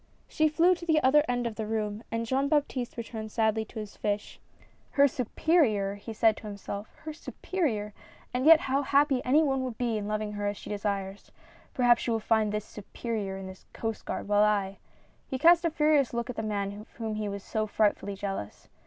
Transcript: She flew to the other end of the room and Jean Baptiste returned sadly to his fish. " Her superior 1 " he said to himself. " Her superior ! And yet how happy any one would be in loving her as she desires. — Perhaps she will find this superior in this Coast Guard, while I —" He cast a furious look at the man of whom he was so frightfully jealous.